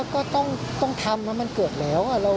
ก็ต้องทำนะมันเกิดแล้ว